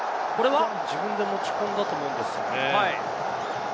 自分で持ち込んだと思うんですよね。